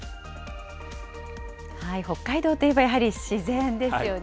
北海道といえばやはり自然ですよね。